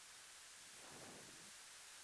Este síndrome es un hecho manifiesto.